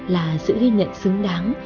là sự ghi nhận xứng đáng